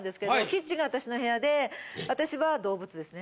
キッチンが私の部屋で私は動物ですね。